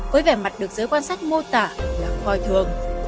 với vẻ mặt được giới quan sát mô tả là coi thường